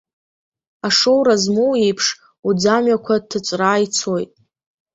Ашоура змоу иеиԥш, уӡамҩақәа ҭыҵәраа ицоит.